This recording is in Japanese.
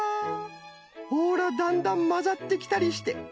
ほらだんだんまざってきたりして。